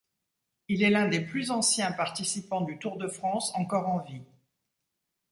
Il est l'un des plus anciens participants du Tour de France encore en vie.